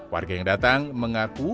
warga yang datang mengaku